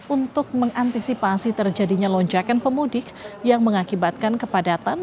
untuk mengantisipasi terjadinya lonjakan pemudik yang mengakibatkan kepadatan